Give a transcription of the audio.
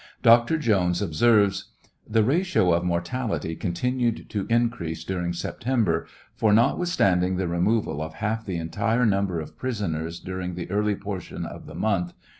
Dr. Jones observes : The ratio of mortality coutinued to increase during September, for, notwithstanding the removal of half the entire number of prisoners during the early portion of the month.